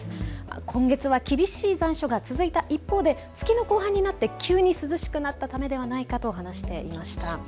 今月は厳しい残暑が続いた一方で月の後半になって急に涼しくなったためではないかと話していました。